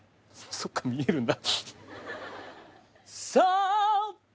そっか見えるんだ。